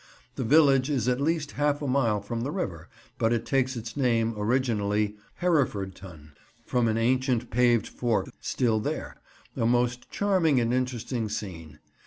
The village is at least half a mile from the river, but it takes its name, originally "Herefordtun," from an ancient paved ford still there, a most charming and interesting scene.